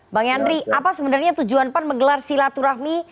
bang yandri apa sebenarnya tujuan pan menggelar silaturahmi